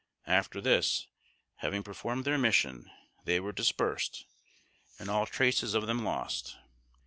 After this, having performed their mission, they were dispersed, and all traces of them lost.